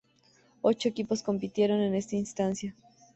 Ocho equipos compitieron en esta instancia.